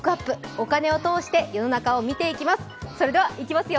お金を通して世の中を見ていきます。